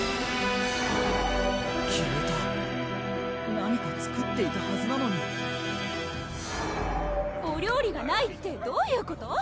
何か作っていたはずなのにお料理がないってどういうこと？